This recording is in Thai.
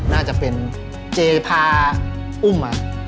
น่าจะเป็นเจพาอุ้ม